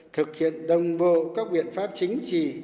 thực hiện đồng bộ các biện pháp chính trị